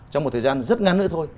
trong một thời gian rất ngắn nữa thôi